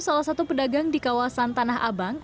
salah satu pedagang di kawasan tanah abang